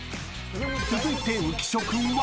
［続いて浮所君は］